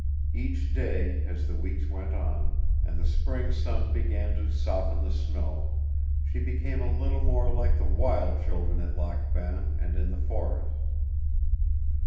Each day, as the weeks went on, and the spring sun began to soften the snow, she became a little more like the wild children at Lac Bain and in the forest.